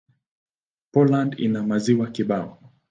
Poland ina maziwa kibao.